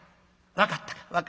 「分かったか？」。